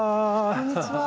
こんにちは。